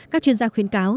các chuyên gia khuyến cáo